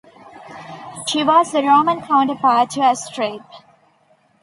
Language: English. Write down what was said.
She was the Roman counterpart to Astrape.